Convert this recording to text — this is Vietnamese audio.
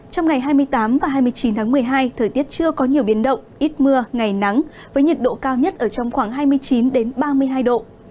trong ngày hai mươi tám và hai mươi chín tháng một mươi hai thời tiết chưa có nhiều biến động ít mưa ngày nắng với nhiệt độ cao nhất ở trong khoảng hai mươi chín ba mươi hai độ